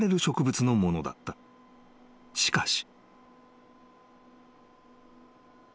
［しかし］